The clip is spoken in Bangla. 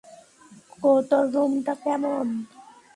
তোর রুমটা কেমন?